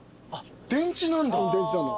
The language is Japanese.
電池なんだ。